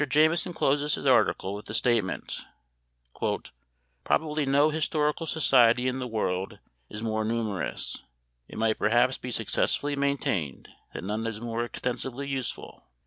Jameson closes his article with the statement: "Probably no historical society in the world is more numerous; it might perhaps be successfully maintained that none is more extensively useful.